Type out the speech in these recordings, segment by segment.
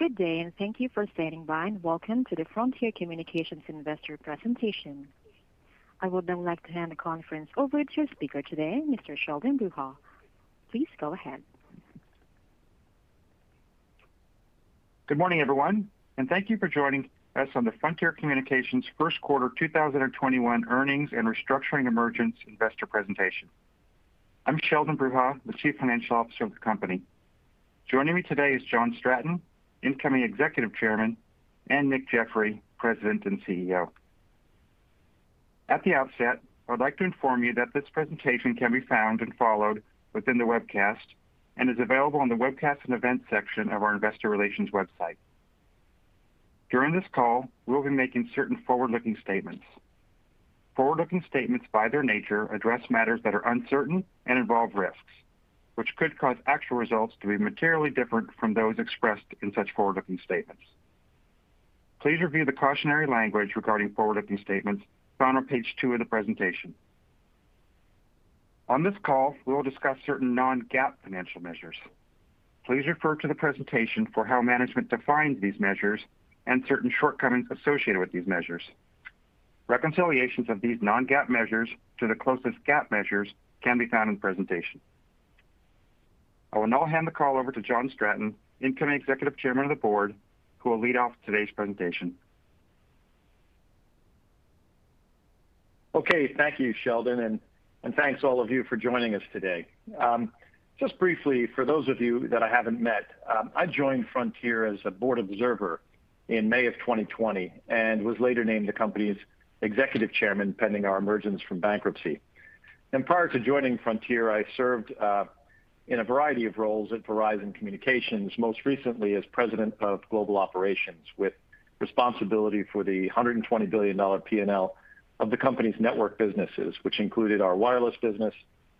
Good day. Thank you for standing by. Welcome to the Frontier Communications Investor Presentation. I would now like to hand the conference over to your speaker today, Mr. Sheldon Bruha. Please go ahead. Good morning, everyone, and thank you for joining us on the Frontier Communications first quarter 2021 earnings and restructuring emergence investor presentation. I'm Sheldon Bruha, the Chief Financial Officer of the company. Joining me today is John Stratton, incoming Executive Chairman, and Nick Jeffery, President and CEO. At the outset, I would like to inform you that this presentation can be found and followed within the webcast and is available on the Webcasts and Events section of our investor relations website. During this call, we will be making certain forward-looking statements. Forward-looking statements, by their nature, address matters that are uncertain and involve risks, which could cause actual results to be materially different from those expressed in such forward-looking statements. Please review the cautionary language regarding forward-looking statements found on page two of the presentation. On this call, we will discuss certain non-GAAP financial measures. Please refer to the presentation for how management defines these measures and certain shortcomings associated with these measures. Reconciliations of these non-GAAP measures to the closest GAAP measures can be found in the presentation. I will now hand the call over to John Stratton, incoming Executive Chairman of the Board, who will lead off today's presentation. Okay. Thank you, Sheldon, and thanks all of you for joining us today. Just briefly, for those of you that I haven't met, I joined Frontier as a board observer in May of 2020 and was later named the company's Executive Chairman pending our emergence from bankruptcy. Prior to joining Frontier, I served in a variety of roles at Verizon Communications, most recently as President of Global Operations, with responsibility for the $120 billion P&L of the company's network businesses, which included our wireless business,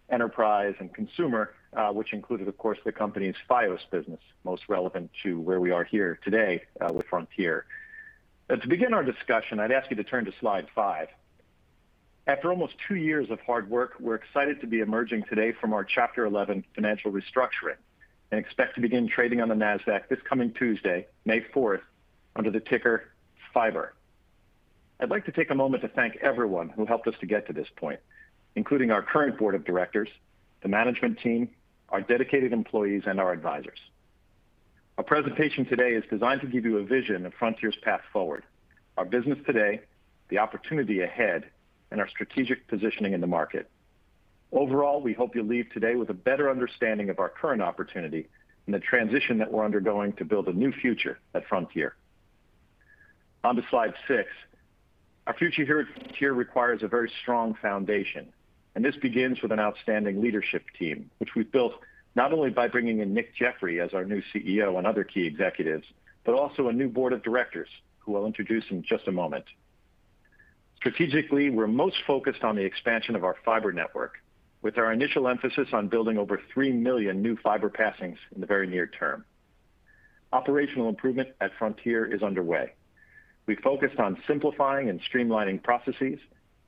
enterprise, and consumer, which included, of course, the company's Fios business, most relevant to where we are here today with Frontier. To begin our discussion, I'd ask you to turn to slide five. After almost two years of hard work, we're excited to be emerging today from our Chapter 11 financial restructuring and expect to begin trading on the Nasdaq this coming Tuesday, May 4th, under the ticker FYBR. I'd like to take a moment to thank everyone who helped us to get to this point, including our current board of directors, the management team, our dedicated employees, and our advisors. Our presentation today is designed to give you a vision of Frontier's path forward, our business today, the opportunity ahead, and our strategic positioning in the market. Overall, we hope you'll leave today with a better understanding of our current opportunity and the transition that we're undergoing to build a new future at Frontier. On to slide six. Our future here at Frontier requires a very strong foundation. This begins with an outstanding leadership team, which we've built not only by bringing in Nick Jeffery as our new CEO and other key executives, but also a new board of directors, who I'll introduce in just a moment. Strategically, we're most focused on the expansion of our fiber network, with our initial emphasis on building over 3 million new fiber passings in the very near term. Operational improvement at Frontier is underway. We focused on simplifying and streamlining processes,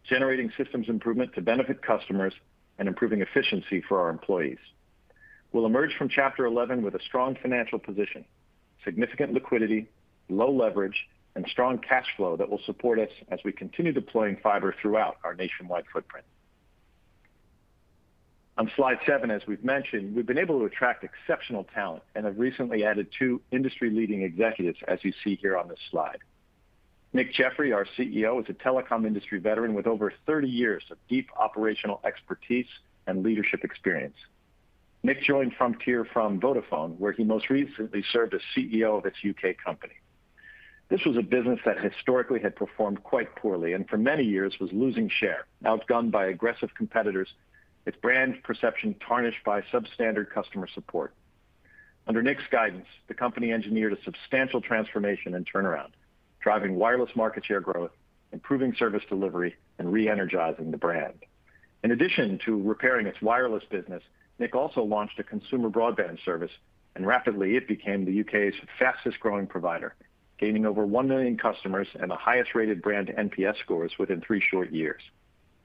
generating systems improvement to benefit customers, and improving efficiency for our employees. We'll emerge from Chapter 11 with a strong financial position, significant liquidity, low leverage, and strong cash flow that will support us as we continue deploying fiber throughout our nationwide footprint. On slide seven, as we've mentioned, we've been able to attract exceptional talent and have recently added two industry-leading executives, as you see here on this slide. Nick Jeffery, our CEO, is a telecom industry veteran with over 30 years of deep operational expertise and leadership experience. Nick joined Frontier from Vodafone, where he most recently served as CEO of its U.K. company. This was a business that historically had performed quite poorly and for many years was losing share, outgunned by aggressive competitors, its brand perception tarnished by substandard customer support. Under Nick's guidance, the company engineered a substantial transformation and turnaround, driving wireless market share growth, improving service delivery, and re-energizing the brand. In addition to repairing its wireless business, Nick also launched a consumer broadband service, and rapidly it became the U.K.'s fastest-growing provider, gaining over 1 million customers and the highest-rated brand NPS scores within three short years.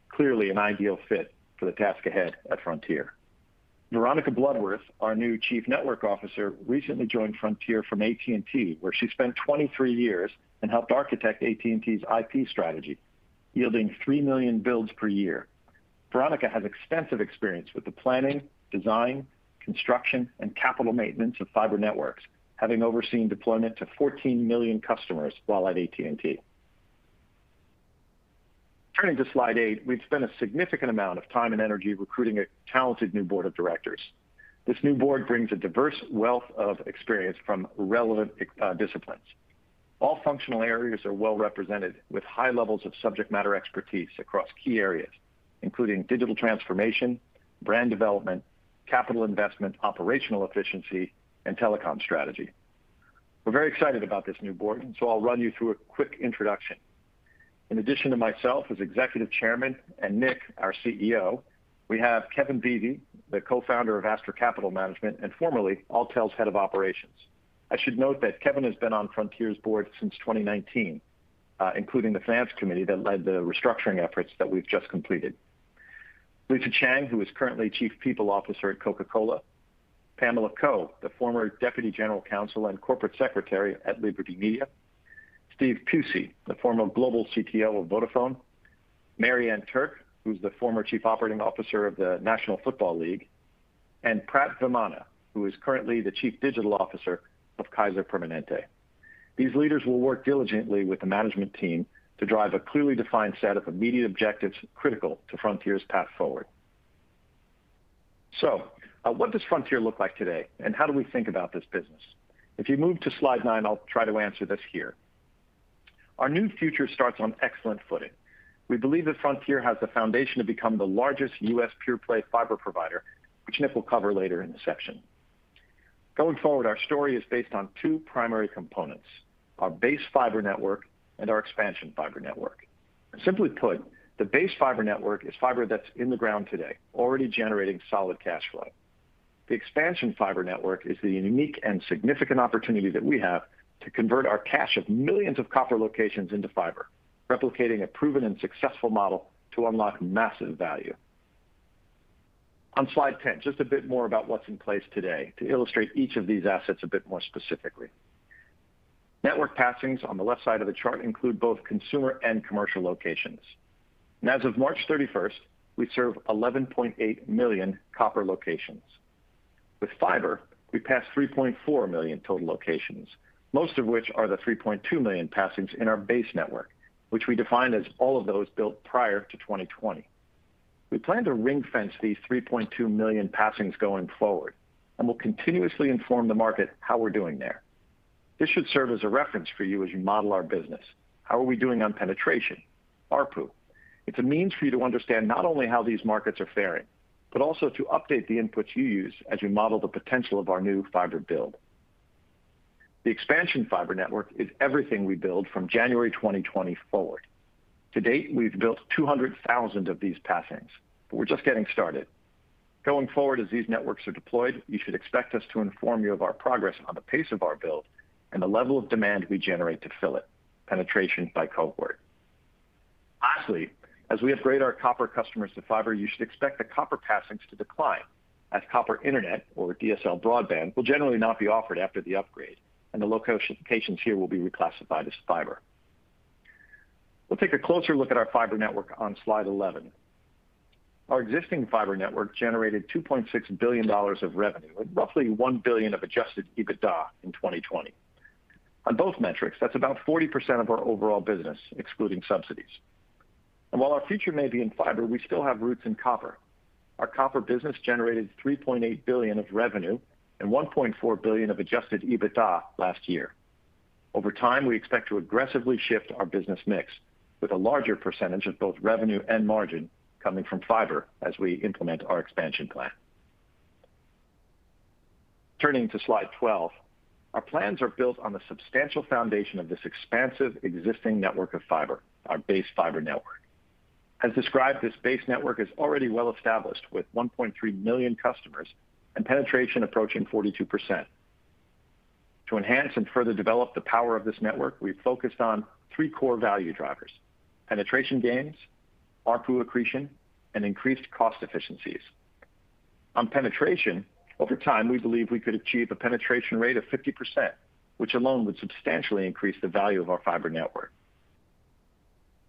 Clearly an ideal fit for the task ahead at Frontier. Veronica Bloodworth, our new Chief Network Officer, recently joined Frontier from AT&T, where she spent 23 years and helped architect AT&T's IP strategy, yielding 3 million builds per year. Veronica has extensive experience with the planning, design, construction, and capital maintenance of fiber networks, having overseen deployment to 14 million customers while at AT&T. Turning to slide eight, we've spent a significant amount of time and energy recruiting a talented new board of directors. This new board brings a diverse wealth of experience from relevant disciplines. All functional areas are well represented with high levels of subject matter expertise across key areas, including digital transformation, brand development, capital investment, operational efficiency, and telecom strategy. We're very excited about this new board, and so I'll run you through a quick introduction. In addition to myself as Executive Chairman and Nick, our CEO, we have Kevin Beebe, the co-founder of Astra Capital Management and formerly Alltel's head of operations. I should note that Kevin has been on Frontier's board since 2019, including the finance committee that led the restructuring efforts that we've just completed. Lisa Chang, who is currently Chief People Officer at Coca-Cola, Pamela Coe, the former Deputy General Counsel and Corporate Secretary at Liberty Media, Steve Pusey, the former Global CTO of Vodafone, Maryann Turcke, who's the former Chief Operating Officer of the National Football League, and Prat Vemana, who is currently the Chief Digital Officer of Kaiser Permanente. These leaders will work diligently with the management team to drive a clearly defined set of immediate objectives critical to Frontier's path forward. What does Frontier look like today, and how do we think about this business? If you move to slide nine, I'll try to answer this here. Our new future starts on excellent footing. We believe that Frontier has the foundation to become the largest U.S. pure-play fiber provider, which Nick will cover later in the section. Going forward, our story is based on two primary components, our base fiber network and our expansion fiber network. Simply put, the base fiber network is fiber that's in the ground today, already generating solid cash flow. The expansion fiber network is the unique and significant opportunity that we have to convert our cache of millions of copper locations into fiber, replicating a proven and successful model to unlock massive value. On slide 10, just a bit more about what's in place today to illustrate each of these assets a bit more specifically. Network passings on the left side of the chart include both consumer and commercial locations. As of March 31st, we serve 11.8 million copper locations. With fiber, we passed 3.4 million total locations, most of which are the 3.2 million passings in our base network, which we define as all of those built prior to 2020. We plan to ring-fence these 3.2 million passings going forward, and we'll continuously inform the market how we're doing there. This should serve as a reference for you as you model our business. How are we doing on penetration? ARPU. It's a means for you to understand not only how these markets are faring, but also to update the inputs you use as you model the potential of our new fiber build. The expansion fiber network is everything we build from January 2020 forward. To date, we've built 200,000 of these passings, but we're just getting started. Going forward, as these networks are deployed, you should expect us to inform you of our progress on the pace of our build and the level of demand we generate to fill it, penetration by cohort. Lastly, as we upgrade our copper customers to fiber, you should expect the copper passings to decline as copper internet or DSL broadband will generally not be offered after the upgrade, and the locations here will be reclassified as fiber. We'll take a closer look at our fiber network on slide 11. Our existing fiber network generated $2.6 billion of revenue, with roughly $1 billion of adjusted EBITDA in 2020. On both metrics, that's about 40% of our overall business, excluding subsidies. While our future may be in fiber, we still have roots in copper. Our copper business generated $3.8 billion of revenue and $1.4 billion of adjusted EBITDA last year. Over time, we expect to aggressively shift our business mix with a larger percentage of both revenue and margin coming from fiber as we implement our expansion plan. Turning to slide 12, our plans are built on the substantial foundation of this expansive existing network of fiber, our base fiber network. As described, this base network is already well established with 1.3 million customers and penetration approaching 42%. To enhance and further develop the power of this network, we focused on three core value drivers, penetration gains, ARPU accretion, and increased cost efficiencies. On penetration, over time, we believe we could achieve a penetration rate of 50%, which alone would substantially increase the value of our fiber network.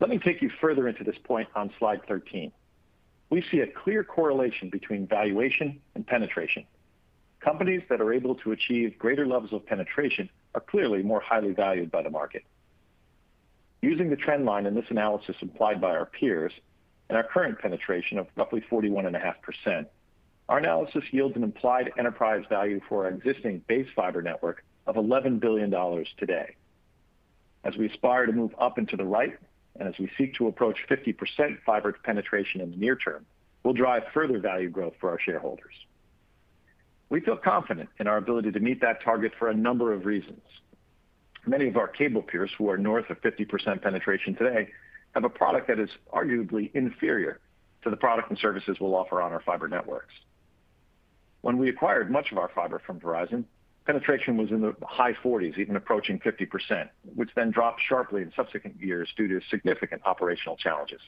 Let me take you further into this point on slide 13. We see a clear correlation between valuation and penetration. Companies that are able to achieve greater levels of penetration are clearly more highly valued by the market. Using the trend line in this analysis implied by our peers and our current penetration of roughly 41.5%, our analysis yields an implied enterprise value for our existing base fiber network of $11 billion today. As we aspire to move up and to the right and as we seek to approach 50% fiber penetration in the near term, we'll drive further value growth for our shareholders. We feel confident in our ability to meet that target for a number of reasons. Many of our cable peers who are north of 50% penetration today have a product that is arguably inferior to the product and services we'll offer on our fiber networks. When we acquired much of our fiber from Verizon, penetration was in the high 40s, even approaching 50%, which then dropped sharply in subsequent years due to significant operational challenges.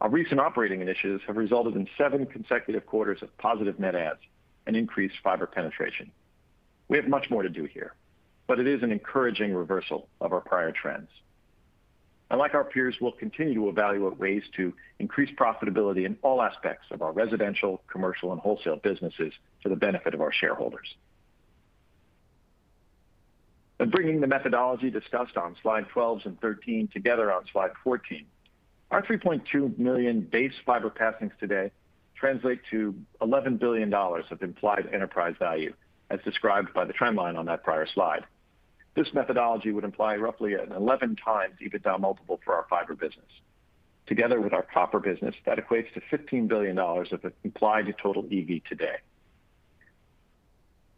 Our recent operating initiatives have resulted in seven consecutive quarters of positive net adds and increased fiber penetration. We have much more to do here, but it is an encouraging reversal of our prior trends. Like our peers, we'll continue to evaluate ways to increase profitability in all aspects of our residential, commercial, and wholesale businesses for the benefit of our shareholders. Bringing the methodology discussed on slide 12 and 13 together on slide 14, our 3.2 million base fiber passings today translate to $11 billion of implied enterprise value, as described by the trend line on that prior slide. This methodology would imply roughly an 11 x EBITDA multiple for our fiber business. Together with our copper business, that equates to $15 billion of implied total EV today.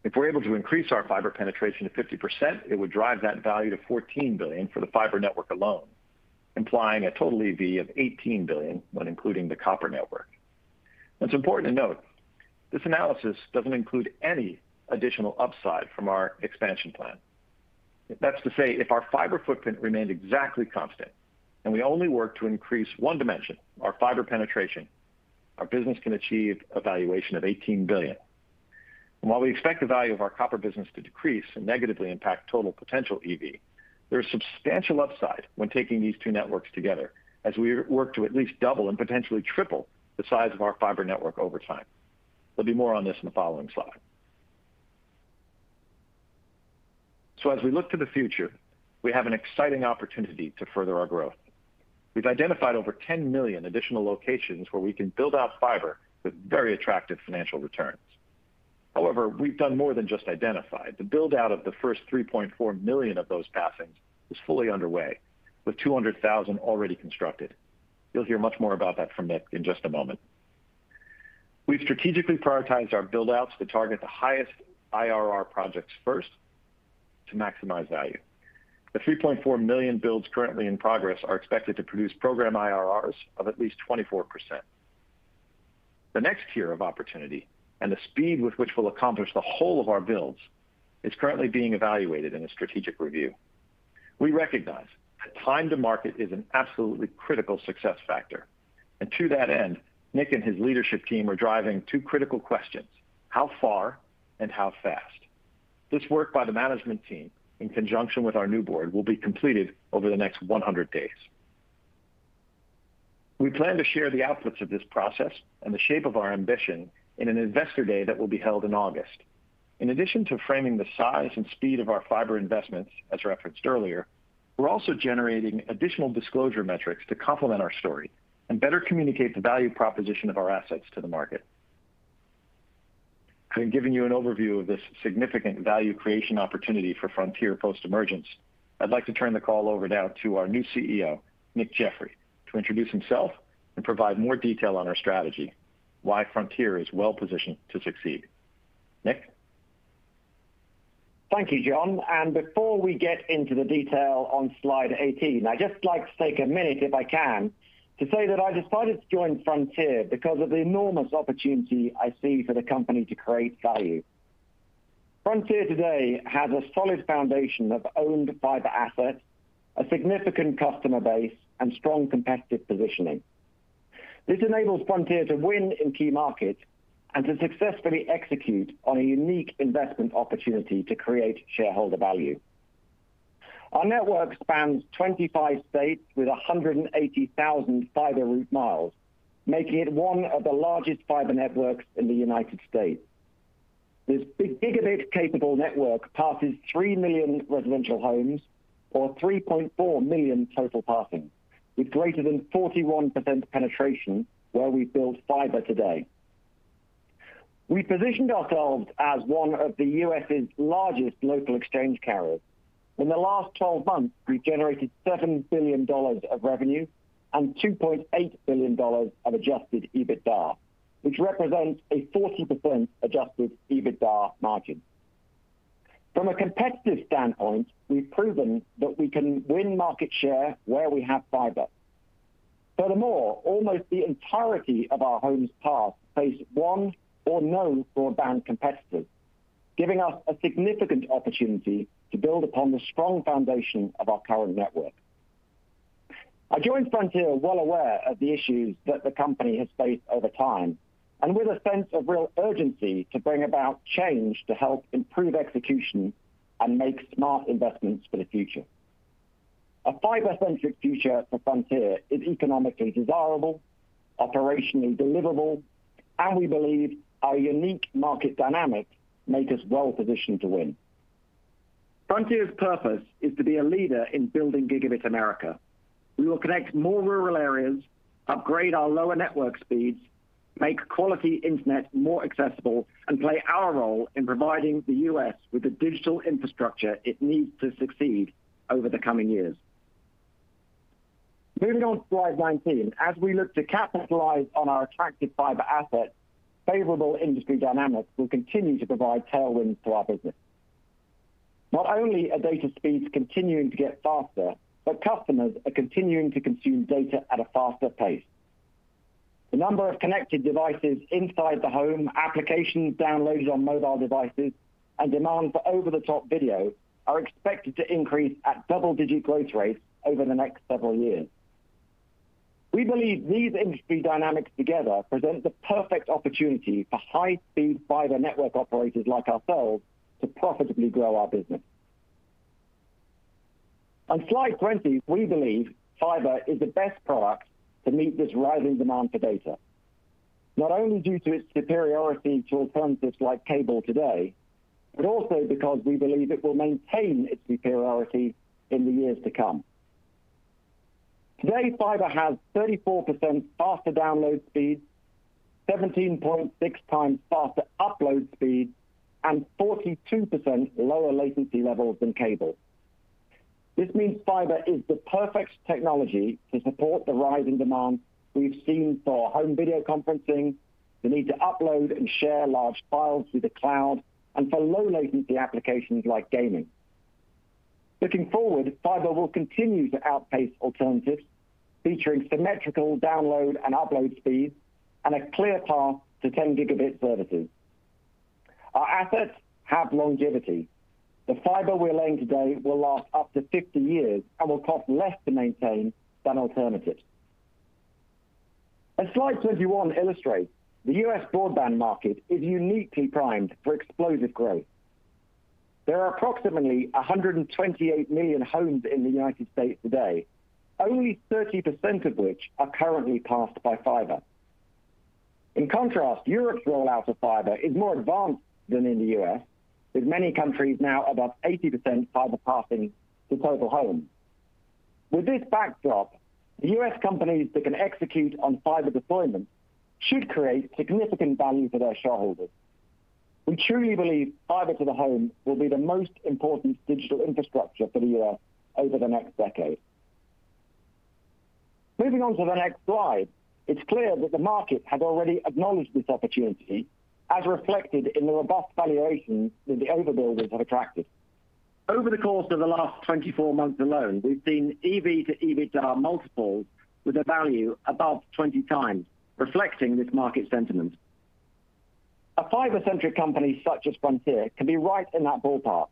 If we're able to increase our fiber penetration to 50%, it would drive that value to $14 billion for the fiber network alone, implying a total EV of $18 billion when including the copper network. It's important to note, this analysis doesn't include any additional upside from our expansion plan. That's to say, if our fiber footprint remained exactly constant and we only work to increase one dimension, our fiber penetration, our business can achieve a valuation of $18 billion. While we expect the value of our copper business to decrease and negatively impact total potential EV, there is substantial upside when taking these two networks together, as we work to at least double and potentially triple the size of our fiber network over time. There'll be more on this in the following slide. As we look to the future, we have an exciting opportunity to further our growth. We've identified over 10 million additional locations where we can build out fiber with very attractive financial returns. However, we've done more than just identify. The build-out of the first 3.4 million of those passings is fully underway, with 200,000 already constructed. You'll hear much more about that from Nick in just a moment. We've strategically prioritized our build-outs to target the highest IRR projects first to maximize value. The 3.4 million builds currently in progress are expected to produce program IRRs of at least 24%. The next tier of opportunity and the speed with which we'll accomplish the whole of our builds is currently being evaluated in a strategic review. We recognize that time to market is an absolutely critical success factor. To that end, Nick and his leadership team are driving two critical questions: how far and how fast? This work by the management team, in conjunction with our new board, will be completed over the next 100 days. We plan to share the outputs of this process and the shape of our ambition in an investor day that will be held in August. In addition to framing the size and speed of our fiber investments, as referenced earlier, we're also generating additional disclosure metrics to complement our story and better communicate the value proposition of our assets to the market. Having given you an overview of this significant value creation opportunity for Frontier post-emergence, I'd like to turn the call over now to our new CEO, Nick Jeffrey, to introduce himself and provide more detail on our strategy, why Frontier is well-positioned to succeed. Nick? Thank you, John. Before we get into the detail on slide 18, I'd just like to take a minute, if I can, to say that I decided to join Frontier because of the enormous opportunity I see for the company to create value. Frontier today has a solid foundation of owned fiber assets, a significant customer base, and strong competitive positioning. This enables Frontier to win in key markets and to successfully execute on a unique investment opportunity to create shareholder value. Our network spans 25 states with 180,000 fiber route miles, making it one of the largest fiber networks in the U.S. This big GB-capable network passes three million residential homes or 3.4 million total passing, with greater than 41% penetration where we build fiber today. We positioned ourselves as one of the U.S.'s largest local exchange carriers. In the last 12 months, we generated $7 billion of revenue and $2.8 billion of adjusted EBITDA, which represents a 40% adjusted EBITDA margin. From a competitive standpoint, we've proven that we can win market share where we have fiber. Furthermore, almost the entirety of our homes passed face one or no broadband competitors, giving us a significant opportunity to build upon the strong foundation of our current network. I joined Frontier well aware of the issues that the company has faced over time, and with a sense of real urgency to bring about change to help improve execution and make smart investments for the future. A fiber-centric future for Frontier is economically desirable, operationally deliverable, and we believe our unique market dynamics make us well positioned to win. Frontier's purpose is to be a leader in building Gigabit America. We will connect more rural areas, upgrade our lower network speeds, make quality internet more accessible, and play our role in providing the U.S. with the digital infrastructure it needs to succeed over the coming years. Moving on to slide 19, as we look to capitalize on our attractive fiber assets, favorable industry dynamics will continue to provide tailwinds to our business. Not only are data speeds continuing to get faster, but customers are continuing to consume data at a faster pace. The number of connected devices inside the home, applications downloaded on mobile devices, and demand for over-the-top video are expected to increase at double-digit growth rates over the next several years. We believe these industry dynamics together present the perfect opportunity for high-speed fiber network operators like ourselves to profitably grow our business. On slide 20, we believe fiber is the best product to meet this rising demand for data, not only due to its superiority to alternatives like cable today, but also because we believe it will maintain its superiority in the years to come. Today, fiber has 34% faster download speeds, 17.6 x faster upload speeds, and 42% lower latency levels than cable. This means fiber is the perfect technology to support the rising demand we've seen for home video conferencing, the need to upload and share large files through the cloud, and for low latency applications like gaming. Looking forward, fiber will continue to outpace alternatives by featuring symmetrical download and upload speeds and a clear path to 10 GB services. Our assets have longevity. The fiber we're laying today will last up to 50 years and will cost less to maintain than alternatives. As slide 21 illustrates, the U.S. broadband market is uniquely primed for explosive growth. There are approximately 128 million homes in the United States today, only 30% of which are currently passed by fiber. In contrast, Europe's rollout of fiber is more advanced than in the U.S., with many countries now above 80% fiber passing to total homes. With this backdrop, the U.S. companies that can execute on fiber deployment should create significant value for their shareholders. We truly believe fiber to the home will be the most important digital infrastructure for the year over the next decade. Moving on to the next slide, it's clear that the market has already acknowledged this opportunity, as reflected in the robust valuations that the overbuilders have attracted. Over the course of the last 24 months alone, we've seen EV to EBITDA multiples with a value above 20x, reflecting this market sentiment. A fiber-centric company such as Frontier can be right in that ballpark,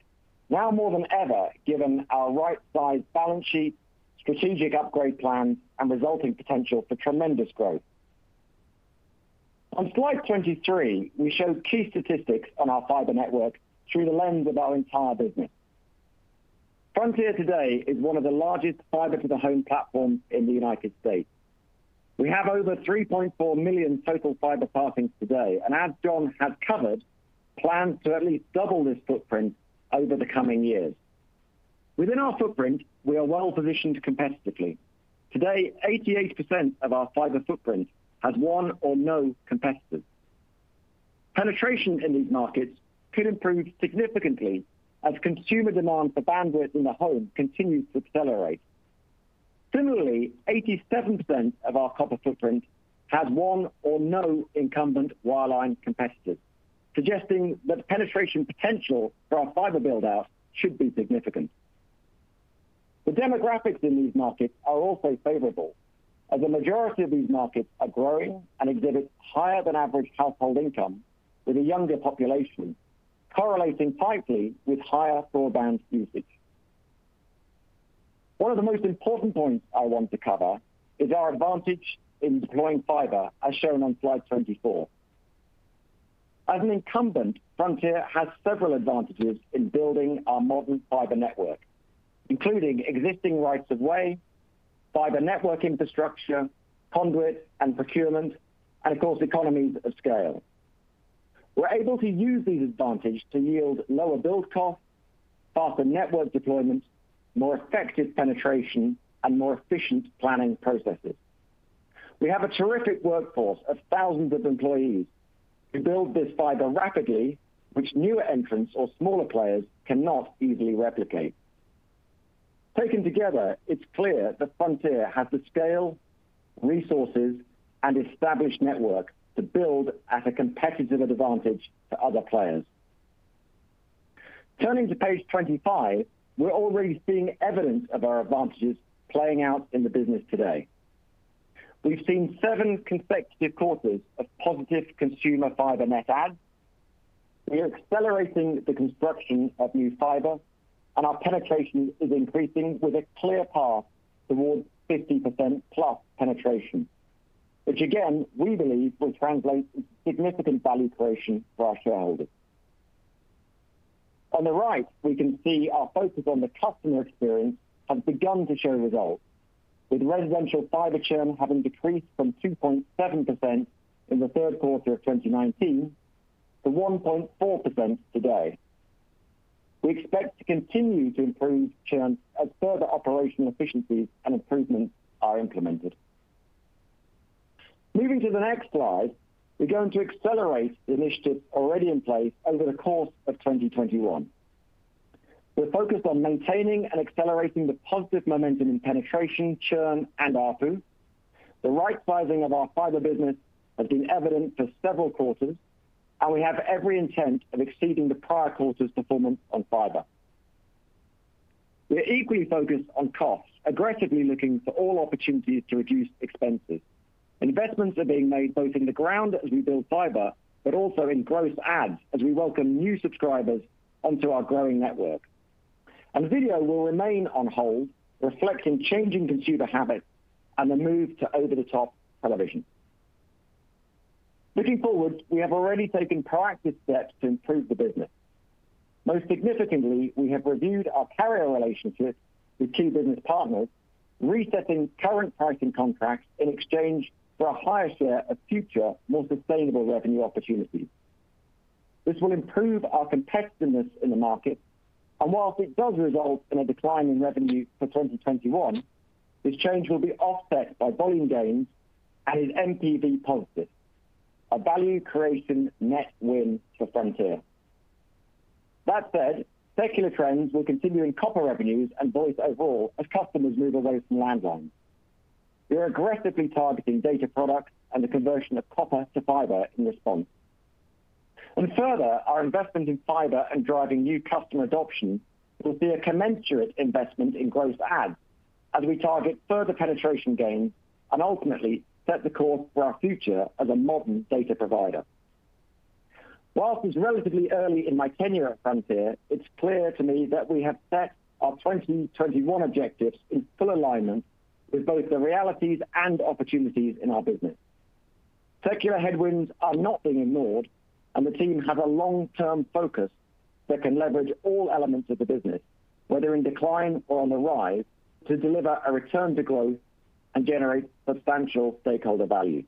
now more than ever, given our right-sized balance sheet, strategic upgrade plan, and resulting potential for tremendous growth. On slide 23, we show key statistics on our fiber network through the lens of our entire business. Frontier today is one of the largest fiber-to-the-home platforms in the United States. We have over 3.4 million total fiber passings today, and as John has covered, plans to at least double this footprint over the coming years. Within our footprint, we are well positioned competitively. Today, 88% of our fiber footprint has one or no competitors. Penetration in these markets could improve significantly as consumer demand for bandwidth in the home continues to accelerate. Similarly, 87% of our copper footprint has one or no incumbent wireline competitors, suggesting that the penetration potential for our fiber build-out should be significant. The demographics in these markets are also favorable, as the majority of these markets are growing and exhibit higher than average household income with a younger population, correlating tightly with higher broadband usage. One of the most important points I want to cover is our advantage in deploying fiber, as shown on slide 24. As an incumbent, Frontier has several advantages in building our modern fiber network, including existing rights of way, fiber network infrastructure, conduit and procurement, and of course, economies of scale. We're able to use these advantages to yield lower build costs, faster network deployments, more effective penetration, and more efficient planning processes. We have a terrific workforce of thousands of employees who build this fiber rapidly, which newer entrants or smaller players cannot easily replicate. Taken together, it's clear that Frontier has the scale, resources, and established network to build at a competitive advantage to other players. Turning to page 25, we are already seeing evidence of our advantages playing out in the business today. We have seen seven consecutive quarters of positive consumer fiber net adds. We are accelerating the construction of new fiber, and our penetration is increasing with a clear path towards 50%+ penetration, which again, we believe will translate to significant value creation for our shareholders. On the right, we can see our focus on the customer experience has begun to show results, with residential fiber churn having decreased from 2.7% in the third quarter of 2019 to 1.4% today. We expect to continue to improve churn as further operational efficiencies and improvements are implemented. Moving to the next slide, we're going to accelerate the initiatives already in place over the course of 2021. We're focused on maintaining and accelerating the positive momentum in penetration, churn, and ARPU. The right sizing of our fiber business has been evident for several quarters, and we have every intent of exceeding the prior quarter's performance on fiber. We're equally focused on costs, aggressively looking for all opportunities to reduce expenses. Investments are being made both in the ground as we build fiber, but also in gross adds as we welcome new subscribers onto our growing network. Video will remain on hold, reflecting changing consumer habits and the move to over-the-top television. Looking forward, we have already taken proactive steps to improve the business. Most significantly, we have reviewed our carrier relationships with key business partners, resetting current pricing contracts in exchange for a higher share of future, more sustainable revenue opportunities. This will improve our competitiveness in the market, whilst it does result in a decline in revenue for 2021, this change will be offset by volume gains and is NPV positive, a value creation net win for Frontier. That said, secular trends will continue in copper revenues and voice overall as customers move away from landlines. We are aggressively targeting data products and the conversion of copper to fiber in response. Further, our investment in fiber and driving new customer adoption will see a commensurate investment in gross adds as we target further penetration gains, and ultimately set the course for our future as a modern data provider. Whilst it's relatively early in my tenure at Frontier, it's clear to me that we have set our 2021 objectives in full alignment with both the realities and opportunities in our business. Secular headwinds are not being ignored, the team have a long-term focus that can leverage all elements of the business, whether in decline or on the rise, to deliver a return to growth and generate substantial stakeholder value.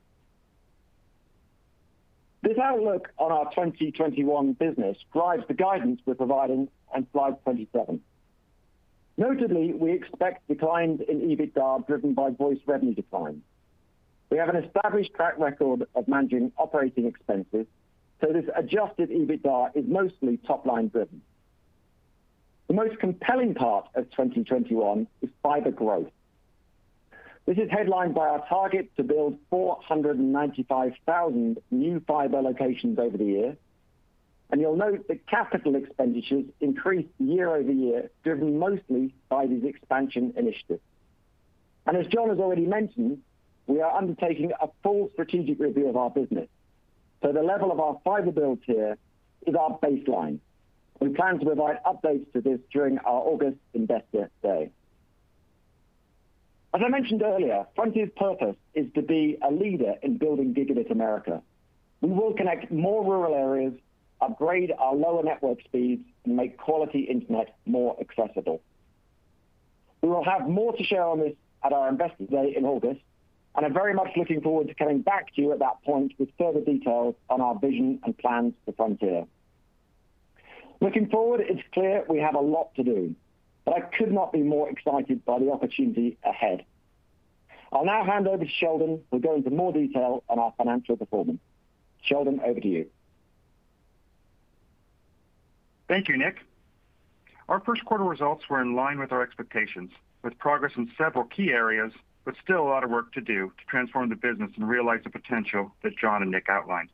This outlook on our 2021 business drives the guidance we're providing on slide 27. Notably, we expect declines in EBITDA driven by voice revenue declines. We have an established track record of managing operating expenses, so this adjusted EBITDA is mostly top-line driven. The most compelling part of 2021 is fiber growth. This is headlined by our target to build 495,000 new fiber locations over the year. You'll note that capital expenditures increased year-over-year, driven mostly by these expansion initiatives. As John has already mentioned, we are undertaking a full strategic review of our business. The level of our fiber build here is our baseline. We plan to provide updates to this during our August Investor Day. As I mentioned earlier, Frontier's purpose is to be a leader in building Gigabit America. We will connect more rural areas, upgrade our lower network speeds, and make quality internet more accessible. We will have more to share on this at our Investor Day in August, and I'm very much looking forward to coming back to you at that point with further details on our vision and plans for Frontier. Looking forward, it's clear we have a lot to do, but I could not be more excited by the opportunity ahead. I'll now hand over to Sheldon, who'll go into more detail on our financial performance. Sheldon, over to you. Thank you, Nick. Our first quarter results were in line with our expectations, with progress in several key areas, but still a lot of work to do to transform the business and realize the potential that John and Nick outlined.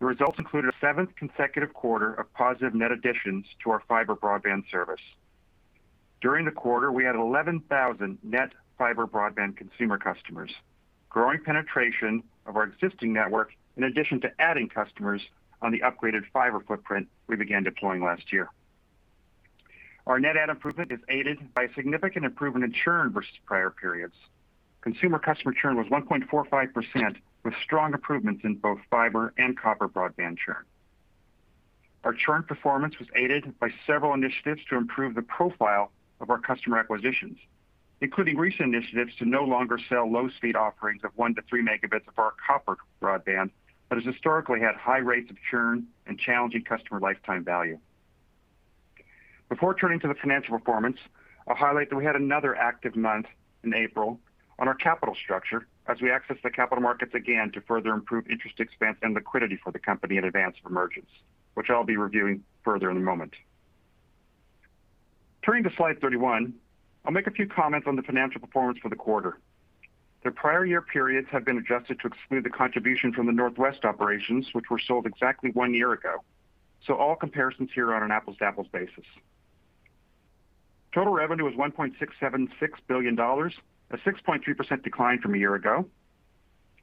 The results included a seventh consecutive quarter of positive net additions to our fiber broadband service. During the quarter, we had 11,000 net fiber broadband consumer customers, growing penetration of our existing network, in addition to adding customers on the upgraded fiber footprint we began deploying last year. Our net add improvement is aided by significant improvement in churn versus prior periods. Consumer customer churn was 1.45%, with strong improvements in both fiber and copper broadband churn. Our churn performance was aided by several initiatives to improve the profile of our customer acquisitions, including recent initiatives to no longer sell low-speed offerings of one to three megabits of our copper broadband, that has historically had high rates of churn and challenging customer lifetime value. Before turning to the financial performance, I'll highlight that we had another active month in April on our capital structure as we accessed the capital markets again to further improve interest expense and liquidity for the company in advance of emergence, which I'll be reviewing further in a moment. Turning to slide 31, I'll make a few comments on the financial performance for the quarter. The prior year periods have been adjusted to exclude the contribution from the Northwest operations, which were sold exactly one year ago. All comparisons here are on an apples to apples basis. Total revenue was $1.676 billion, a 6.3% decline from a year ago.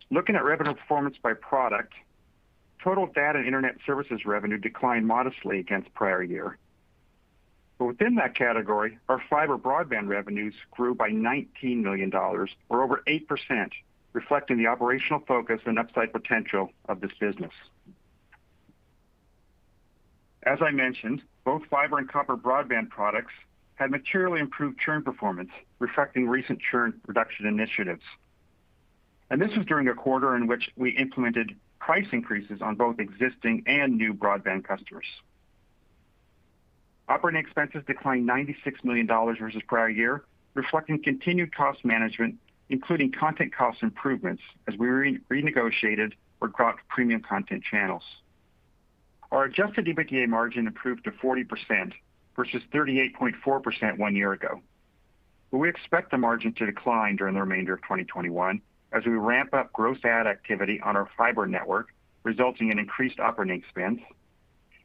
Looking at revenue performance by product, total data and internet services revenue declined modestly against prior year. Within that category, our fiber broadband revenues grew by $19 million, or over 8%, reflecting the operational focus and upside potential of this business. As I mentioned, both fiber and copper broadband products had materially improved churn performance, reflecting recent churn reduction initiatives. This was during a quarter in which we implemented price increases on both existing and new broadband customers. Operating expenses declined $96 million versus prior year, reflecting continued cost management, including content cost improvements as we renegotiated or dropped premium content channels. Our adjusted EBITDA margin improved to 40%, versus 38.4% one year ago. We expect the margin to decline during the remainder of 2021 as we ramp up gross add activity on our fiber network, resulting in increased operating expense,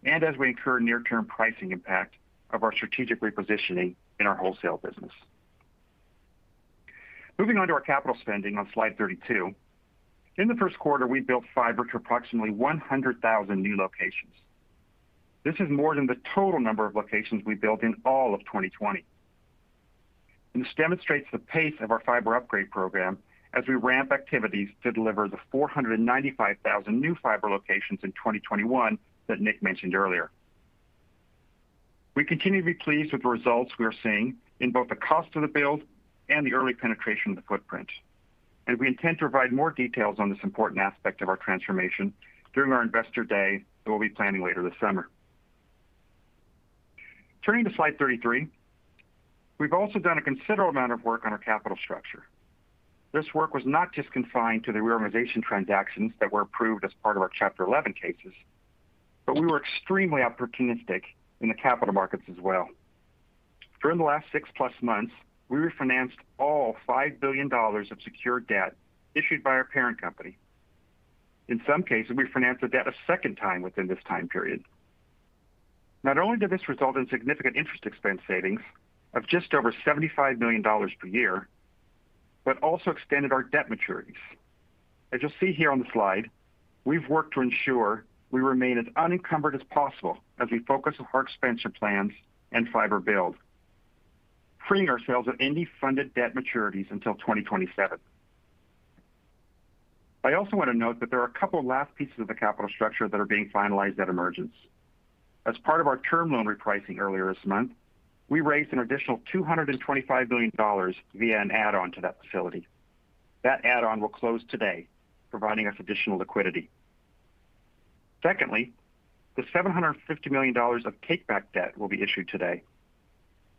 and as we incur near-term pricing impact of our strategic repositioning in our wholesale business. Moving on to our capital spending on slide 32. During the first quarter, we built fiber to approximately 100,000 new locations. This is more than the total number of locations we built in all of 2020. This demonstrates the pace of our fiber upgrade program as we ramp activities to deliver the 495,000 new fiber locations in 2021 that Nick mentioned earlier. We continue to be pleased with the results we are seeing in both the cost of the build and the early penetration of the footprint, and we intend to provide more details on this important aspect of our transformation during our Investor Day that we'll be planning later this summer. Turning to slide 33. We've also done a considerable amount of work on our capital structure. This work was not just confined to the reorganization transactions that were approved as part of our Chapter 11 cases. We were extremely opportunistic in the capital markets as well. During the last six-plus months, we refinanced all $5 billion of secured debt issued by our parent company. In some cases, we refinanced the debt a second time within this time period. Not only did this result in significant interest expense savings of just over $75 million per year, but also extended our debt maturities. As you'll see here on the slide, we've worked to ensure we remain as unencumbered as possible as we focus on our expansion plans and fiber build, freeing ourselves of any funded debt maturities until 2027. I also want to note that there are a couple of last pieces of the capital structure that are being finalized at emergence. As part of our term loan repricing earlier this month, we raised an additional $225 million via an add-on to that facility. That add-on will close today, providing us additional liquidity. Secondly, the $750 million of take-back debt will be issued today.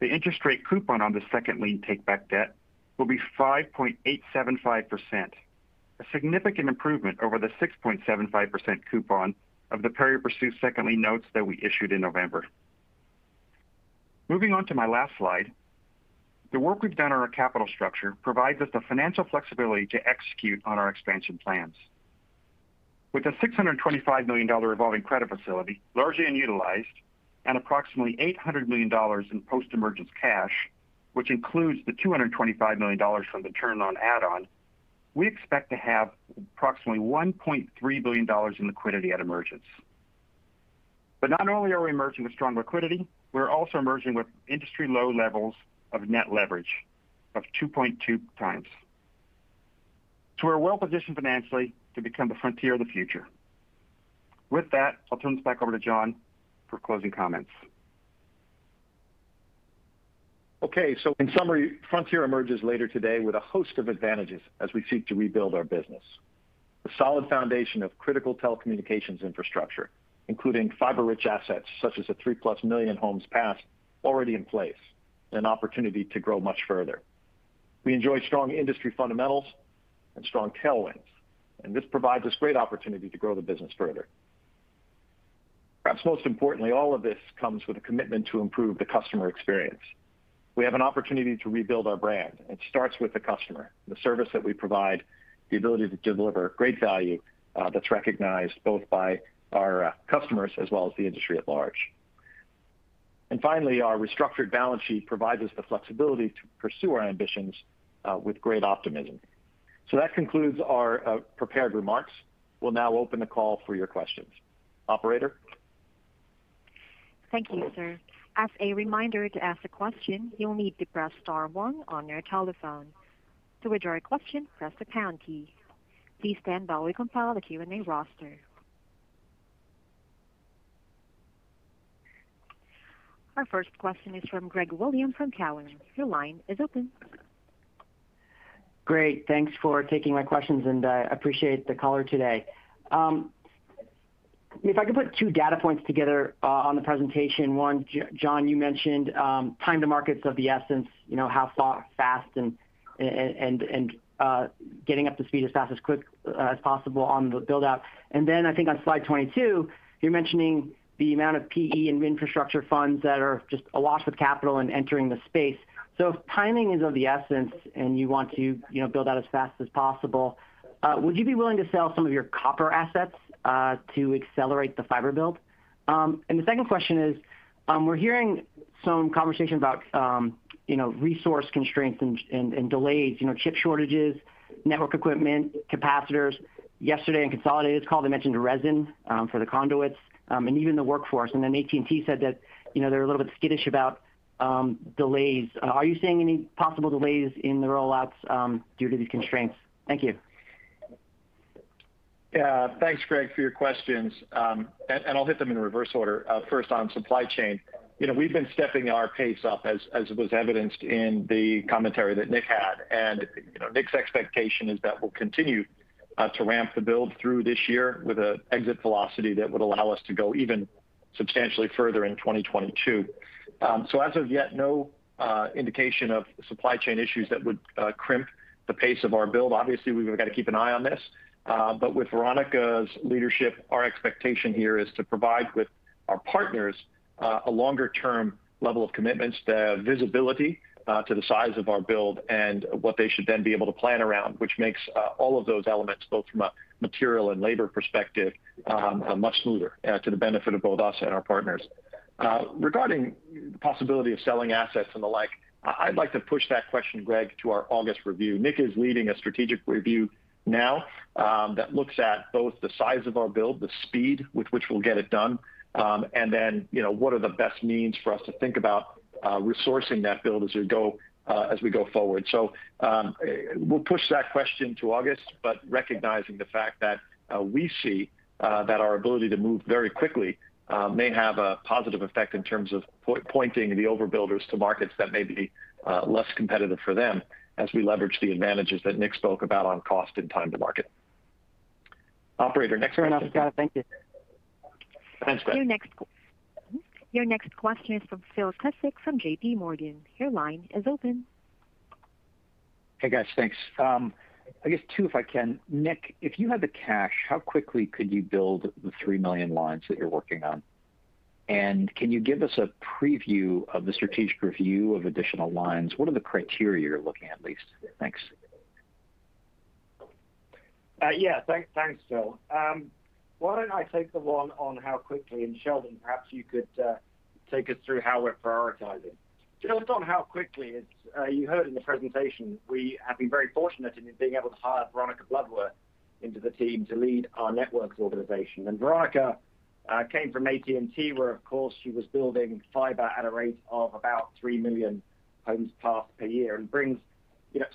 The interest rate coupon on the second lien take-back debt will be 5.875%, a significant improvement over the 6.75% coupon of the period pursued second lien notes that we issued in November. Moving on to my last slide, the work we've done on our capital structure provides us the financial flexibility to execute on our expansion plans. With a $625 million revolving credit facility, largely unutilized, and approximately $800 million in post-emergence cash, which includes the $225 million from the term loan add-on, we expect to have approximately $1.3 billion in liquidity at emergence. Not only are we emerging with strong liquidity, we're also emerging with industry-low levels of net leverage of 2.2 x. We're well-positioned financially to become the frontier of the future. With that, I'll turn this back over to John for closing comments. Okay, in summary, Frontier emerges later today with a host of advantages as we seek to rebuild our business. A solid foundation of critical telecommunications infrastructure, including fiber-rich assets such as a 3+ million homes passed already in place, an opportunity to grow much further. We enjoy strong industry fundamentals and strong tailwinds, this provides us great opportunity to grow the business further. Perhaps most importantly, all of this comes with a commitment to improve the customer experience. We have an opportunity to rebuild our brand, it starts with the customer, the service that we provide, the ability to deliver great value that's recognized both by our customers as well as the industry at large. Finally, our restructured balance sheet provides us the flexibility to pursue our ambitions with great optimism. That concludes our prepared remarks. We'll now open the call for your questions. Operator? Thank you, sir. As a reminder to ask a question you need to press star one on your telephone. Please stand by while we compile the Q&A roster. Our first question is from Greg Williams from Cowen. Your line is open. Great. Thanks for taking my questions. I appreciate the call today. If I could put two data points together on the presentation. One, John, you mentioned time to markets of the essence, how fast and getting up to speed as fast as possible on the build-out. I think on slide 22, you're mentioning the amount of PE and infrastructure funds that are just awash with capital and entering the space. If timing is of the essence and you want to build out as fast as possible, would you be willing to sell some of your copper assets to accelerate the fiber build? The second question is, we're hearing some conversation about resource constraints and delays, chip shortages, network equipment, capacitors. Yesterday in Consolidated Communications' call, they mentioned resin for the conduits, and even the workforce, and then AT&T said that they're a little bit skittish about delays. Are you seeing any possible delays in the roll-outs due to these constraints? Thank you. Yeah. Thanks, Greg, for your questions, and I'll hit them in reverse order. First on supply chain. We've been stepping our pace up, as was evidenced in the commentary that Nick had. Nick's expectation is that we'll continue to ramp the build through this year with an exit velocity that would allow us to go even substantially further in 2022. As of yet, no indication of supply chain issues that would crimp the pace of our build. Obviously, we've got to keep an eye on this. With Veronica's leadership, our expectation here is to provide with our partners a longer-term level of commitments, the visibility to the size of our build and what they should then be able to plan around, which makes all of those elements, both from a material and labor perspective, much smoother to the benefit of both us and our partners. Regarding the possibility of selling assets and the like, I'd like to push that question, Greg, to our August review. Nick is leading a strategic review now that looks at both the size of our build, the speed with which we'll get it done, and then what are the best means for us to think about resourcing that build as we go forward. We'll push that question to August, but recognizing the fact that we see that our ability to move very quickly may have a positive effect in terms of pointing the over-builders to markets that may be less competitive for them as we leverage the advantages that Nick spoke about on cost and time to market. Operator, next question. Fair enough, John. Thank you. Thanks, Greg. Your next question is from Phil Cusick from JP Morgan. Hey, guys. Thanks. I guess two, if I can. Nick, if you had the cash, how quickly could you build the 3 million lines that you're working on? Can you give us a preview of the strategic review of additional lines? What are the criteria you're looking at least? Thanks. Yeah. Thanks, Phil. Why don't I take the one on how quickly, and Sheldon, perhaps you could take us through how we're prioritizing. Phil, on how quickly, as you heard in the presentation, we have been very fortunate in being able to hire Veronica Bloodworth into the team to lead our networks organization. Veronica came from AT&T, where, of course, she was building fiber at a rate of about 3 million homes passed per year and brings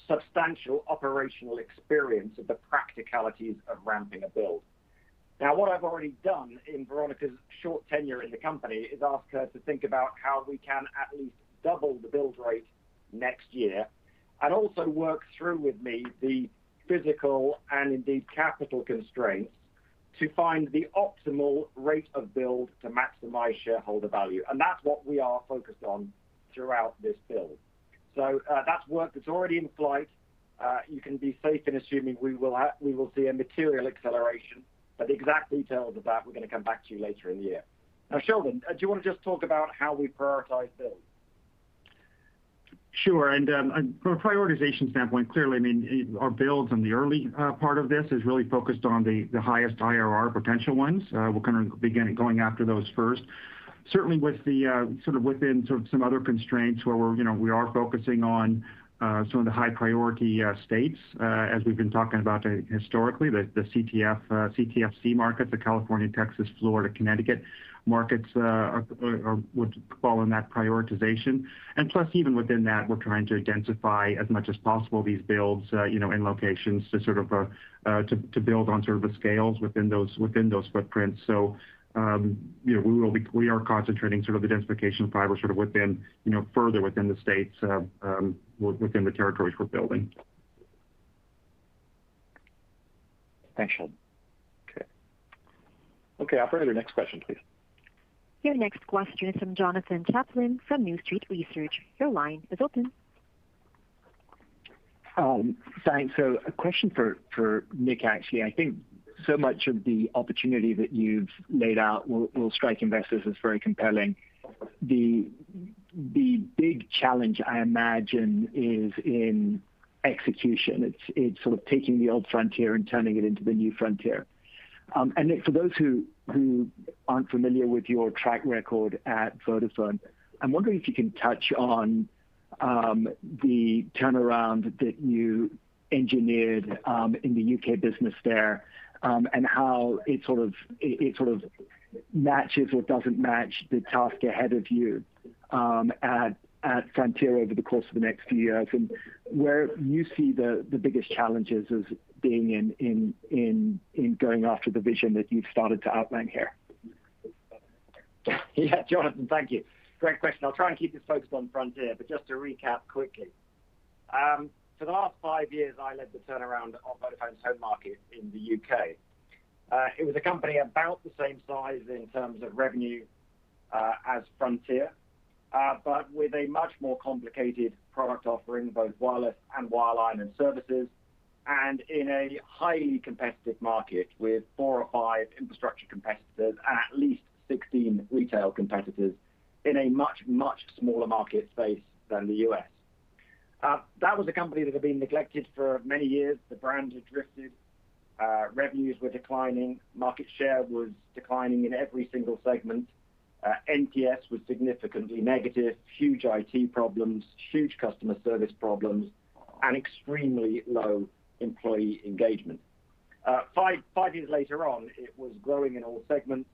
substantial operational experience of the practicalities of ramping a build. Now, what I've already done in Veronica's short tenure in the company is ask her to think about how we can at least double the build rate next year and also work through with me the physical and indeed capital constraints to find the optimal rate of build to maximize shareholder value. That's what we are focused on throughout this build. That's work that's already in flight. You can be safe in assuming we will see a material acceleration, but the exact details of that, we're going to come back to you later in the year. Sheldon, do you want to just talk about how we prioritize builds? Sure, from a prioritization standpoint, clearly, our builds in the early part of this is really focused on the highest IRR potential ones. We're going to begin going after those first. Certainly, within some other constraints where we are focusing on some of the high priority states, as we've been talking about historically, the CTFC markets, the California, Texas, Florida, Connecticut markets would fall in that prioritization. Plus, even within that, we're trying to densify as much as possible these builds in locations to build on the scales within those footprints. We are concentrating the densification of fiber further within the states, within the territories we're building. Thanks, Sheldon. Okay. Okay. Operator, next question, please. Your next question is from Jonathan Chaplin from New Street Research. Your line is open. Thanks. A question for Nick, actually. I think so much of the opportunity that you've laid out will strike investors as very compelling. The big challenge, I imagine, is in execution. It's sort of taking the old Frontier and turning it into the new Frontier. Nick, for those who aren't familiar with your track record at Vodafone, I'm wondering if you can touch on the turnaround that you engineered in the U.K. business there, and how it sort of matches or doesn't match the task ahead of you at Frontier over the course of the next few years, and where you see the biggest challenges as being in going after the vision that you've started to outline here. Yeah, Jonathan. Thank you. Great question. I'll try and keep it focused on Frontier, but just to recap quickly. For the last five years, I led the turnaround of Vodafone's home market in the U.K. It was a company about the same size in terms of revenue as Frontier, but with a much more complicated product offering, both wireless and wireline and services, and in a highly competitive market with four or five infrastructure competitors and at least 16 retail competitors in a much, much smaller market space than the U.S. That was a company that had been neglected for many years. The brand had drifted, revenues were declining, market share was declining in every single segment. NPS was significantly negative, huge IT problems, huge customer service problems, and extremely low employee engagement. Five years later on, it was growing in all segments,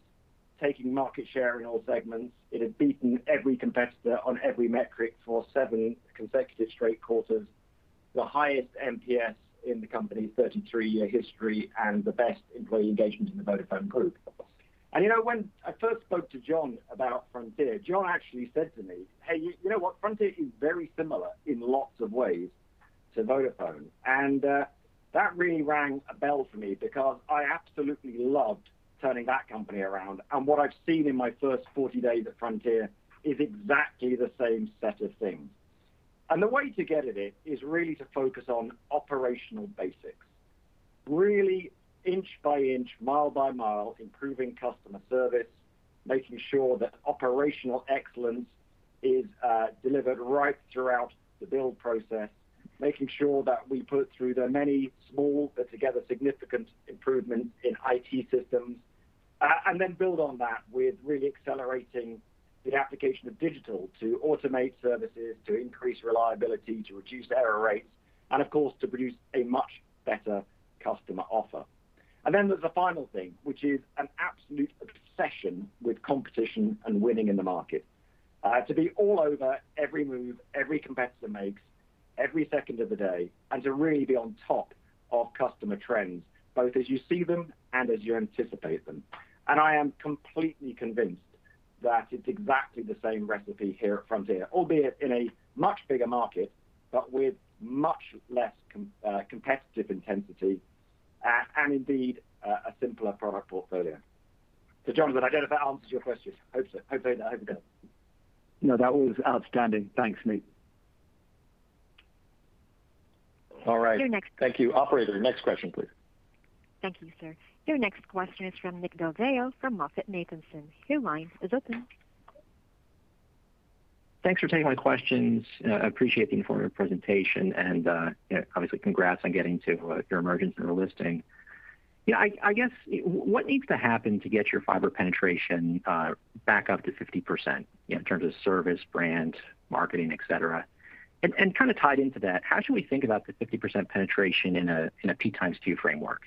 taking market share in all segments. It had beaten every competitor on every metric for seven consecutive straight quarters, the highest NPS in the company's 33 year history, and the best employee engagement in the Vodafone Group. When I first spoke to John about Frontier, John actually said to me, "Hey, you know what? Frontier is very similar in lots of ways to Vodafone." That really rang a bell for me because I absolutely loved turning that company around. What I've seen in my first 40 days at Frontier is exactly the same set of things. The way to get at it is really to focus on operational basics. Really inch by inch, mile by mile, improving customer service, making sure that operational excellence is delivered right throughout the build process, making sure that we put through the many small but together significant improvements in IT systems, and then build on that with really accelerating the application of digital to automate services, to increase reliability, to reduce error rates, and of course, to produce a much better customer offer. There's the final thing, which is an absolute obsession with competition and winning in the market. To be all over every move every competitor makes, every second of the day, and to really be on top of customer trends, both as you see them and as you anticipate them. I am completely convinced that it's exactly the same recipe here at Frontier, albeit in a much bigger market, but with much less competitive intensity, and indeed, a simpler product portfolio. Jonathan, I don't know if that answers your question. Hope so. No, that was outstanding. Thanks, Nick. All right. Your next- Thank you. Operator, next question, please. Thank you, sir. Your next question is from Nick Del Deo from MoffettNathanson. Your line is open. Thanks for taking my questions. I appreciate the informative presentation. Obviously, congrats on getting to your emergence and your listing. I guess what needs to happen to get your fiber penetration back up to 50%, in terms of service, brand, marketing, et cetera? Kind of tied into that, how should we think about the 50% penetration in a P x Q framework?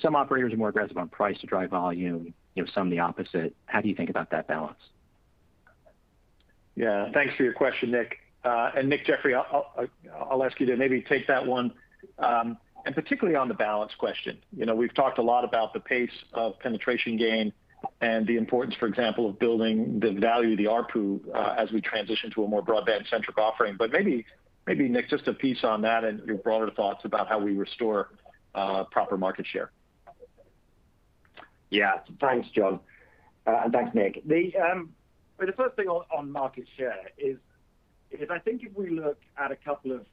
Some operators are more aggressive on price to drive volume, some the opposite. How do you think about that balance? Yeah. Thanks for your question, Nick. Nick Jeffery, I'll ask you to maybe take that one, and particularly on the balance question. We've talked a lot about the pace of penetration gain and the importance, for example, of building the value of the ARPU, as we transition to a more broadband-centric offering. Maybe, Nick, just a piece on that and your broader thoughts about how we restore proper market share. Yeah. Thanks, John. And thanks, Nick. The first thing on market share is, I think if we look at a couple of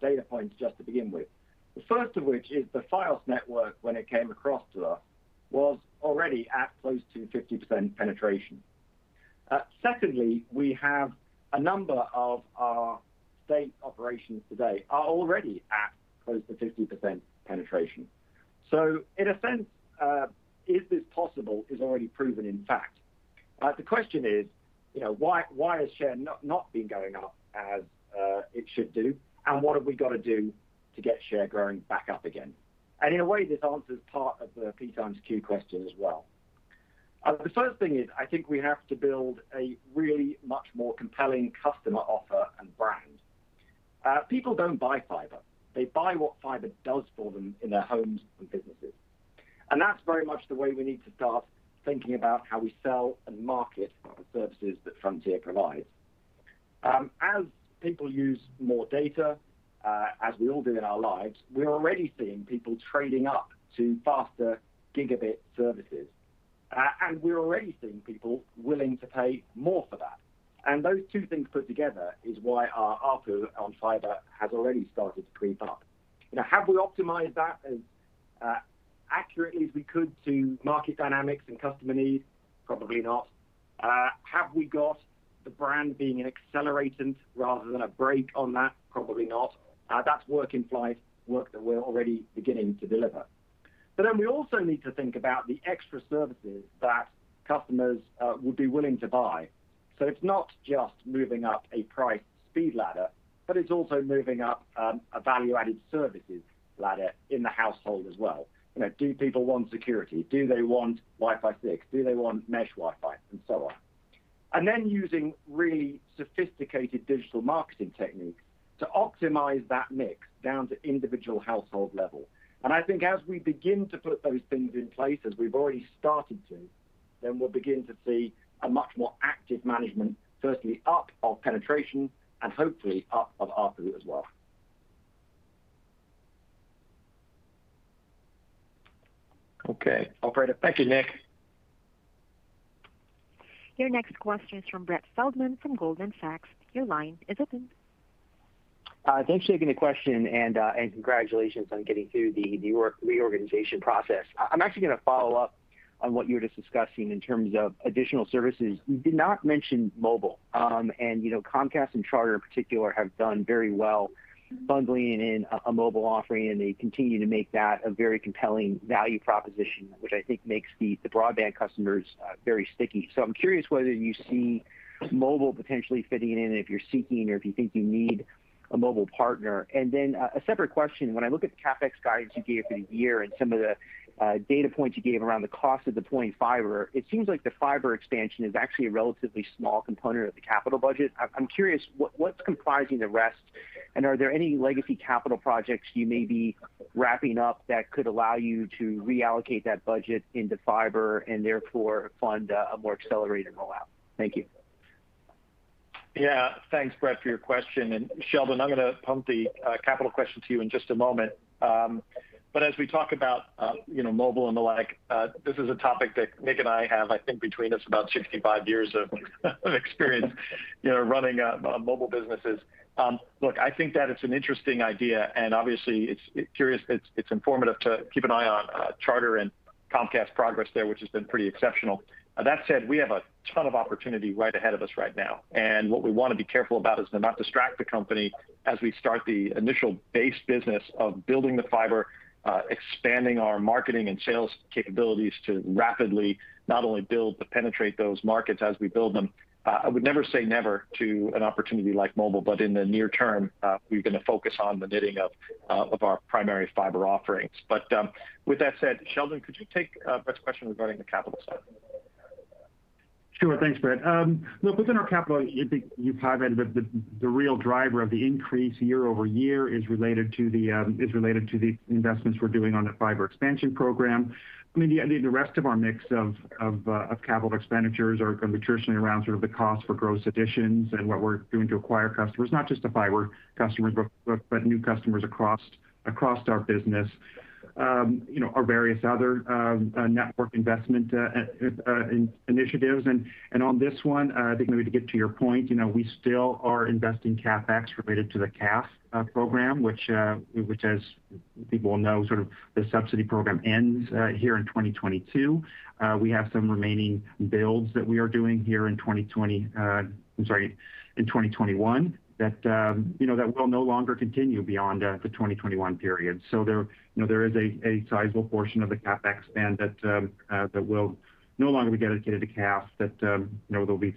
data points just to begin with, the first of which is the Fios network when it came across to us was already at close to 50% penetration. Secondly, we have a number of our state operations today are already at close to 50% penetration. In a sense, is this possible is already proven in fact. The question is, why has share not been going up as it should do, and what have we got to do to get share growing back up again? In a way, this answers part of the P x Q question as well. The first thing is, I think we have to build a really much more compelling customer offer and brand. People don't buy fiber. They buy what fiber does for them in their homes and businesses. That's very much the way we need to start thinking about how we sell and market the services that Frontier provides. As people use more data, as we all do in our lives, we're already seeing people trading up to faster GB services. We're already seeing people willing to pay more for that. Those two things put together is why our ARPU on fiber has already started to creep up. Now, have we optimized that as accurately as we could to market dynamics and customer needs? Probably not. Have we got the brand being an accelerant rather than a break on that? Probably not. That's work in flight, work that we're already beginning to deliver. We also need to think about the extra services that customers would be willing to buy. It's not just moving up a price speed ladder, but it's also moving up a value-added services ladder in the household as well. Do people want security? Do they want Wi-Fi 6? Do they want mesh Wi-Fi? So on. Then using really sophisticated digital marketing techniques to optimize that mix down to individual household level. I think as we begin to put those things in place, as we've already started to, then we'll begin to see a much more active management, firstly up of penetration, and hopefully up of ARPU as well. Okay. Operator. Thank you, Nick. Your next question is from Brett Feldman from Goldman Sachs. Your line is open. Thanks for taking the question. Congratulations on getting through the New York reorganization process. I'm actually going to follow up on what you were just discussing in terms of additional services. You did not mention mobile. Comcast and Charter in particular have done very well bundling in a mobile offering, and they continue to make that a very compelling value proposition, which I think makes the broadband customers very sticky. I'm curious whether you see mobile potentially fitting in, and if you're seeking or if you think you need a mobile partner. A separate question. When I look at the CapEx guidance you gave for the year and some of the data points you gave around the cost of deploying fiber, it seems like the fiber expansion is actually a relatively small component of the capital budget. I'm curious what's comprising the rest, and are there any legacy capital projects you may be wrapping up that could allow you to reallocate that budget into fiber and therefore fund a more accelerated rollout? Thank you. Yeah. Thanks, Brett, for your question. Sheldon, I'm going to pump the capital question to you in just a moment. As we talk about mobile and the like, this is a topic that Nick and I have, I think between us, about 65 years of experience running mobile businesses. Look, I think that it's an interesting idea, and obviously it's informative to keep an eye on Charter and Comcast progress there, which has been pretty exceptional. That said, we have a ton of opportunity right ahead of us right now. What we want to be careful about is to not distract the company as we start the initial base business of building the fiber, expanding our marketing and sales capabilities to rapidly not only build, but penetrate those markets as we build them. I would never say never to an opportunity like mobile, but in the near term, we're going to focus on the knitting up of our primary fiber offerings. With that said, Sheldon, could you take Brett's question regarding the capital side? Sure. Thanks, Brett. Look, within our capital, I think you've highlighted the real driver of the increase year-over-year is related to the investments we're doing on the fiber expansion program. I mean, the rest of our mix of capital expenditures are going to be traditionally around sort of the cost for gross additions and what we're doing to acquire customers, not just the fiber customers, but new customers across our business, our various other network investment initiatives. On this one, I think maybe to get to your point, we still are investing CapEx related to the CASB program, which as people know, sort of the subsidy program ends here in 2022. We have some remaining builds that we are doing here in 2021 that will no longer continue beyond the 2021 period. There is a sizable portion of the CapEx spend that will no longer be dedicated to CAF that will be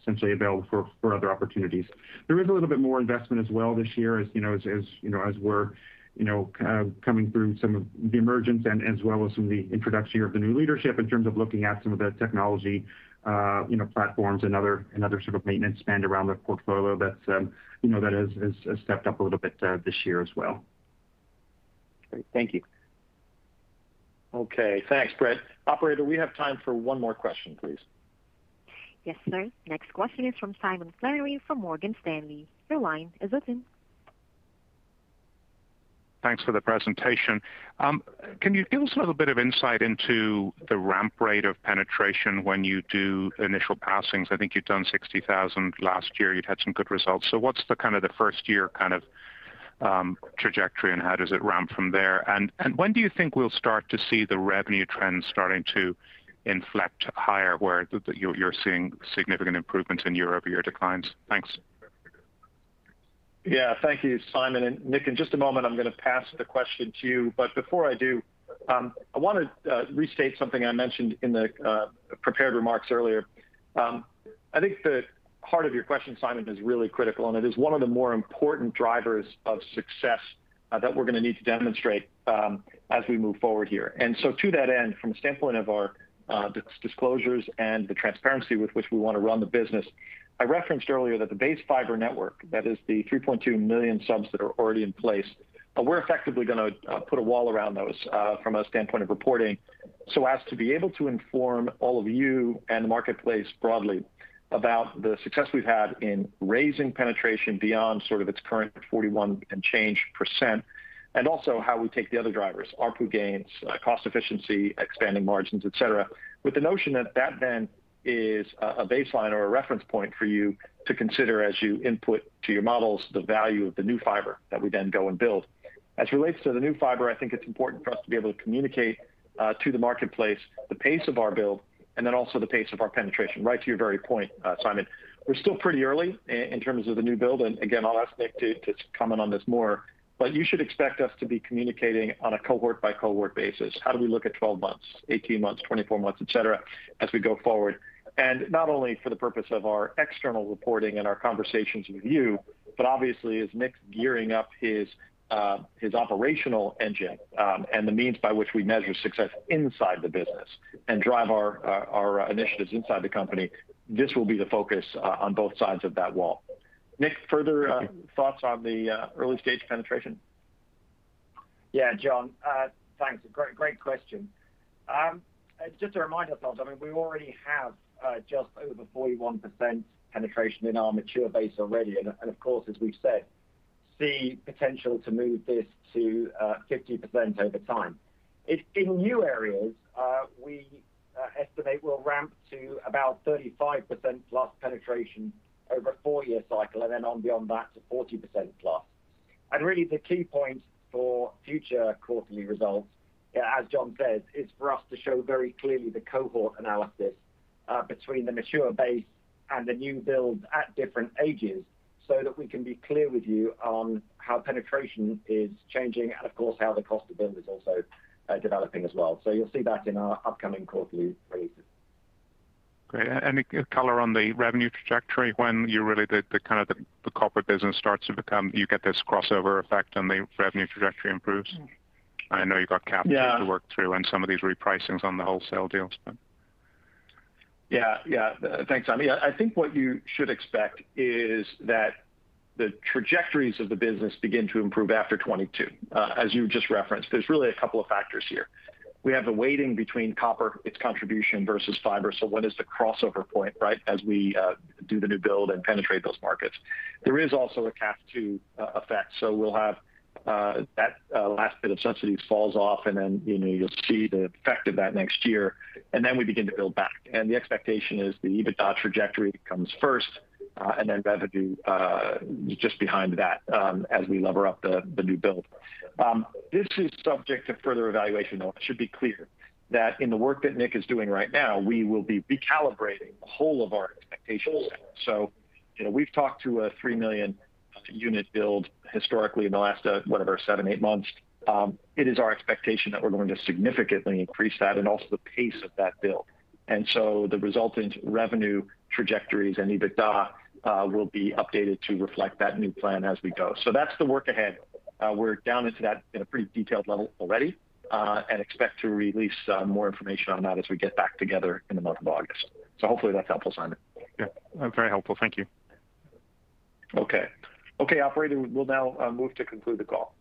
essentially available for other opportunities. There is a little bit more investment as well this year as we're coming through some of the emergence and as well as some of the introduction here of the new leadership in terms of looking at some of the technology platforms and other sort of maintenance spend around the portfolio that has stepped up a little bit this year as well. Great. Thank you. Okay. Thanks, Brett. Operator, we have time for one more question, please. Yes, sir. Next question is from Simon Flannery from Morgan Stanley. Your line is open. Thanks for the presentation. Can you give us a little bit of insight into the ramp rate of penetration when you do initial passings? I think you'd done 60,000 last year. You'd had some good results. What's the kind of the first year kind of trajectory, and how does it ramp from there? When do you think we'll start to see the revenue trends starting to inflect higher, where you're seeing significant improvements in year-over-year declines? Thanks. Thank you, Simon. Nick, in just a moment, I'm going to pass the question to you. Before I do, I want to restate something I mentioned in the prepared remarks earlier. I think the heart of your question, Simon, is really critical, and it is one of the more important drivers of success that we're going to need to demonstrate as we move forward here. To that end, from the standpoint of our disclosures and the transparency with which we want to run the business, I referenced earlier that the base fiber network, that is the 3.2 million subs that are already in place, we're effectively going to put a wall around those from a standpoint of reporting so as to be able to inform all of you and the marketplace broadly about the success we've had in raising penetration beyond sort of its current 41%. Also how we take the other drivers, ARPU gains, cost efficiency, expanding margins, et cetera, with the notion that that then is a baseline or a reference point for you to consider as you input to your models the value of the new fiber that we then go and build. As it relates to the new fiber, I think it's important for us to be able to communicate to the marketplace the pace of our build and then also the pace of our penetration, right to your very point, Simon. Again, I'll ask Nick to comment on this more. You should expect us to be communicating on a cohort by cohort basis. How do we look at 12 months, 18 months, 24 months, et cetera, as we go forward? Not only for the purpose of our external reporting and our conversations with you, but obviously as Nick's gearing up his operational engine and the means by which we measure success inside the business and drive our initiatives inside the company, this will be the focus on both sides of that wall. Nick, further thoughts on the early-stage penetration? Yeah, John. Thanks. Great question. Just to remind ourselves, I mean, we already have just over 41% penetration in our mature base already and of course, as we've said, see potential to move this to 50% over time. In new areas, we estimate we'll ramp to about 35% plus penetration over a four-year cycle and then on beyond that to 40% plus. Really the key point for future quarterly results, as John says, is for us to show very clearly the cohort analysis between the mature base and the new builds at different ages so that we can be clear with you on how penetration is changing and of course how the cost to build is also developing as well. You'll see that in our upcoming quarterly releases. Great. Any color on the revenue trajectory when you get this crossover effect and the revenue trajectory improves? Yeah to work through and some of these repricings on the wholesale deals. Yeah. Thanks, Simon. I think what you should expect is that the trajectories of the business begin to improve after 2022. As you just referenced, there's really a couple of factors here. We have the weighting between copper, its contribution versus fiber. What is the crossover point, right, as we do the new build and penetrate those markets. There is also a CAF II effect. We'll have that last bit of subsidy falls off and then you'll see the effect of that next year. We begin to build back. The expectation is the EBITDA trajectory comes first and then revenue just behind that as we lever up the new build. This is subject to further evaluation, though. It should be clear that in the work that Nick is doing right now, we will be recalibrating the whole of our expectation set. We've talked to a 3 million unit build historically in the last whatever, seven, eight months. It is our expectation that we're going to significantly increase that and also the pace of that build. The resultant revenue trajectories and EBITDA will be updated to reflect that new plan as we go. That's the work ahead. We're down into that in a pretty detailed level already and expect to release more information on that as we get back together in the month of August. Hopefully that's helpful, Simon. Yeah. Very helpful. Thank you. Okay, operator, we'll now move to conclude the call.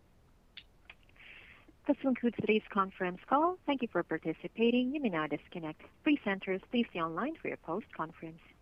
This will conclude today's conference call. Thank you for participating. You may now disconnect. Presenters, please stay online for your post-conference.